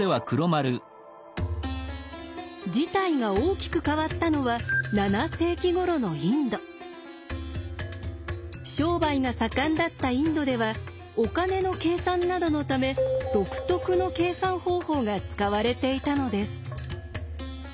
事態が大きく変わったのは商売が盛んだったインドではお金の計算などのため独特の計算方法が使われていたのです。